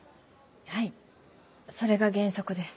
はいそれが原則です。